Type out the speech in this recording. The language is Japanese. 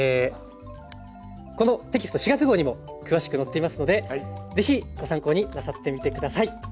このテキスト４月号にも詳しく載っていますので是非ご参考になさってみて下さい。